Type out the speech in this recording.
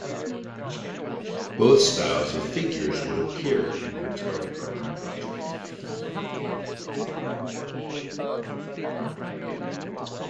Both styles of figures would appear in her "Tarot Garden" project.